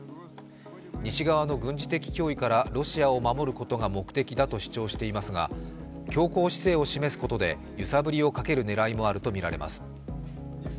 西側の軍事的脅威からロシアを守ることが目的だと主張していますが強硬姿勢を示すことで揺さぶりをかける狙いもあるとみられます。